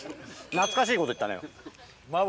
懐かしいこと言ったね。